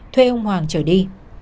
thuê ông hoàng trở đi